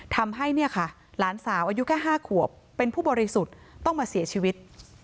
ทำให้เนี่ยค่ะหลานสาวอายุแค่๕ขวบเป็นผู้บริสุทธิ์ต้องมาเสียชีวิต